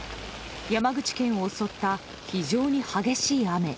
山口県を襲った非常に激しい雨。